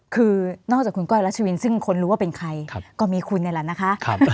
คือนอกจากคุณก้อยรัชวินซึ่งคนรู้ว่าเป็นใครก็มีคุณนี่แหละนะคะ